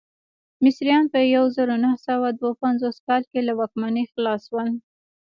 مصریان په یو زرو نهه سوه دوه پنځوس کال کې له واکمنۍ خلاص شول.